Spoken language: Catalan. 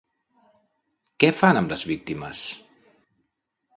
Què fan amb les víctimes?